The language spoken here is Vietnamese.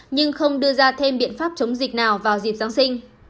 nhưng không đưa ra thêm biện pháp chống dịch nào vào dịp giáng sinh